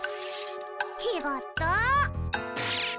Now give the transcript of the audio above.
ちがった。